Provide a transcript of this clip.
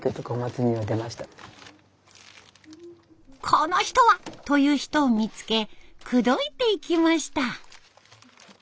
この人は！という人を見つけ口説いていきました。